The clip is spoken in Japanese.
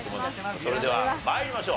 それでは参りましょう。